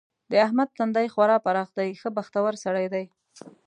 د احمد تندی خورا پراخ دی؛ ښه بختور سړی دی.